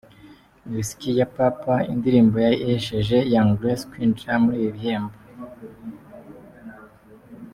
Whisky ya Papa, indirimbo yahesheje Young Grace kwinjira muri ibi bihembo.